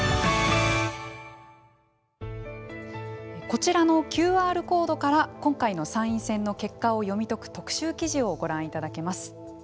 こちらのＱＲコードから今回の参院選の結果を読み解く特集記事をご覧いただけます。